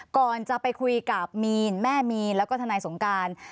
ก่อนจะไปคุยกับมีนแม่มีนแล้วก็ทนายสงการ